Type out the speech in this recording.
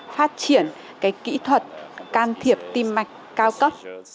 phát triển kỹ thuật can thiệp tim mạch cao cấp